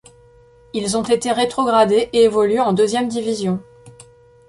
Ils ont été rétrogradés et évoluent en deuxième division.